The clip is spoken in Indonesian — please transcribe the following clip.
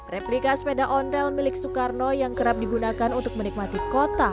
replika sepeda ondel milik soekarno yang kerap digunakan untuk menikmati kota